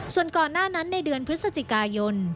ส่วนก่อนหน้านั้นในเดือนพฤศจิกายน